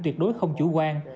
tuyệt đối không chủ quan